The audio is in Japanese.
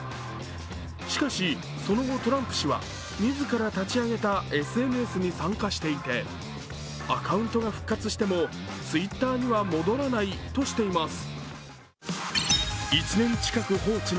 しかしその後、トランプ氏は自ら立ち上げたＳＮＳに参加していてアカウントが復活しても、Ｔｗｉｔｔｅｒには戻らないとしています。